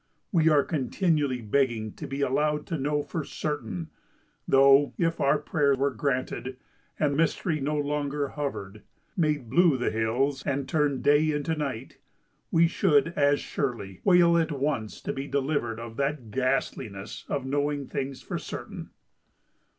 We are continually begging to be allowed to know for certain; though, if our prayer were granted, and Mystery no longer hovered, made blue the hills, and turned day into night, we should, as surely, wail at once to be delivered of that ghastliness of knowing things for certain!